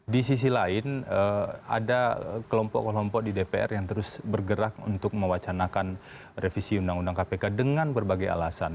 di sisi lain ada kelompok kelompok di dpr yang terus bergerak untuk mewacanakan revisi undang undang kpk dengan berbagai alasan